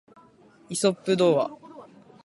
イソップ童話